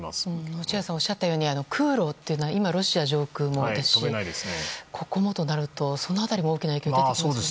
落合さんがおっしゃったように空路というのは、ロシア上空とかその辺りも大きな影響が出てきますよね。